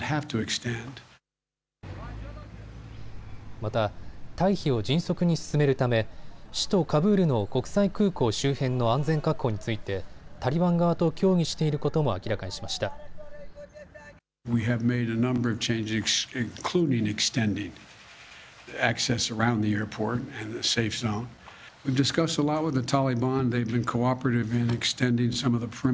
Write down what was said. また退避を迅速に進めるため首都カブールの国際空港周辺の安全確保についてタリバン側と協議していることも明らかにしました。